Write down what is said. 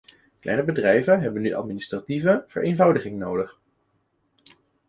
Kleine bedrijven hebben nu administratieve vereenvoudiging nodig.